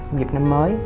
một dịp năm mới